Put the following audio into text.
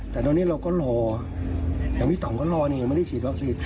แต่ตอนนี้เราก็รอยังมีต๋องก็รอนี่ไม่ได้ฉีดวัคซีน